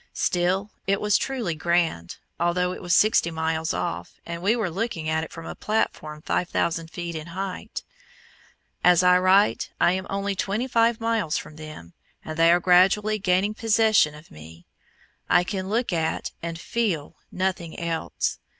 Still, it was truly grand, although it was sixty miles off, and we were looking at it from a platform 5,000 feet in height. As I write I am only twenty five miles from them, and they are gradually gaining possession of me. I can look at and FEEL nothing else.